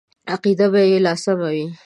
عقیده به یې لا سمه وي.